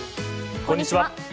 こんにちは。